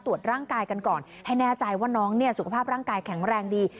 ตรวจร่างกายกันก่อนให้แน่ใจว่าน้องสุขภาพร่างกายแข็งแรงดี